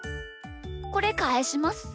これかえします。